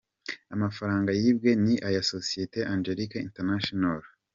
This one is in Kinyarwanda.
Amafarnga yibwe ni aya sosiyete Angelique International.